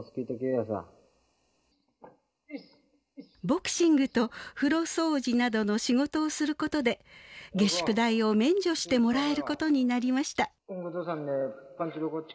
ボクシングと風呂掃除などの仕事をすることで下宿代を免除してもらえることになりました。